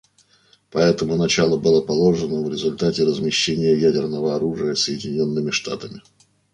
Поэтому начало было положено в результате размещения ядерного оружия Соединенными Штатами.